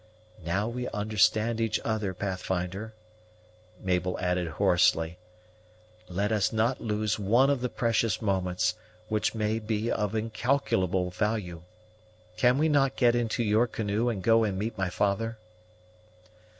"Now we understand each other, Pathfinder," Mabel added hoarsely, "let us not lose one of the precious moments, which may be of incalculable value. Can we not get into your canoe and go and meet my father?"